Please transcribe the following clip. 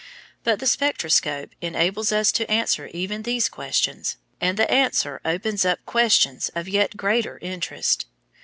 But the spectroscope enables us to answer even these questions, and the answer opens up questions of yet greater interest.